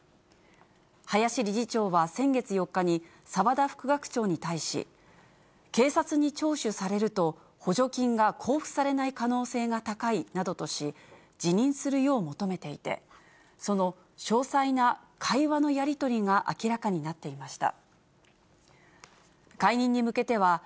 林理事長は先月４日に、澤田副学長に対し、警察に聴取されると、補助金が交付されない可能性が高いなどとし、辞任するよう求めていて、その詳細な会話のやり取りが明らかになっていました。